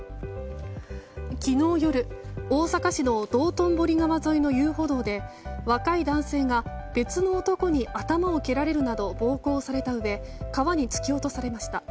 昨日夜、大阪市の道頓堀川沿いの遊歩道で若い男性が別の男に頭を蹴られるなど暴行されたうえ川に突き落とされました。